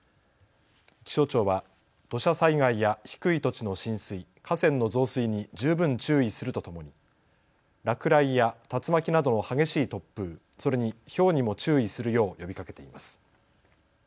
気象庁は土砂災害や低い土地の浸水、河川の増水に十分注意するとともに落雷や竜巻などの激しい突風、それにひょうにも注意するよう呼びかけています。